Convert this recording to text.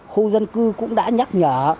khu dân cư cũng đã nhắc nhở